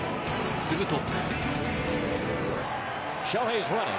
すると。